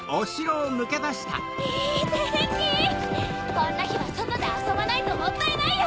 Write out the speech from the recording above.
こんなひはそとであそばないともったいないよ。